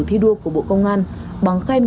thi đua của bộ công an bằng khen